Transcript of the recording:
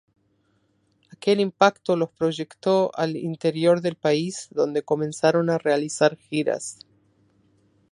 Aquel impacto los proyectó al interior del país, donde comenzaron a realizar giras.